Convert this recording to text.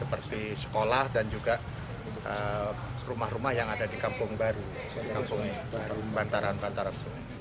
seperti sekolah dan juga rumah rumah yang ada di kampung baru di kampung bantaran bantaran sungai